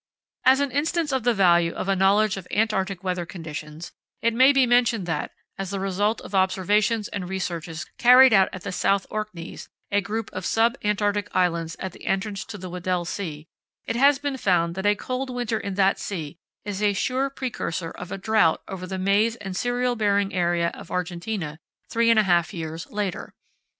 As an instance of the value of a knowledge of Antarctic weather conditions, it may be mentioned that, as the result of observations and researches carried out at the South Orkneys—a group of sub Antarctic islands at the entrance to the Weddell Sea—it has been found that a cold winter in that sea is a sure precursor of a drought over the maize and cereal bearing area of Argentina three and a half years later.